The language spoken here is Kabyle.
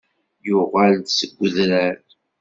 Yuɣal-d seg udrar.